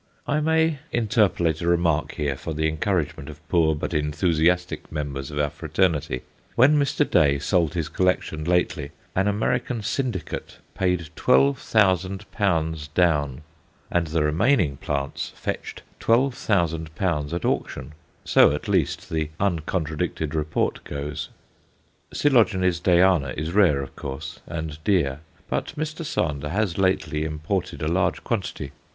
I may interpolate a remark here for the encouragement of poor but enthusiastic members of our fraternity. When Mr. Day sold his collection lately, an American "Syndicate" paid 12,000l. down, and the remaining plants fetched 12,000l. at auction; so, at least, the uncontradicted report goes. Coel. Dayana is rare, of course, and dear, but Mr. Sander has lately imported a large quantity.